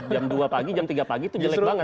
jam dua pagi jam tiga pagi itu jelek banget